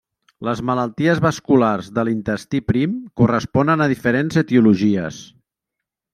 Les malalties vasculars de l'intestí prim corresponen a diferents etiologies.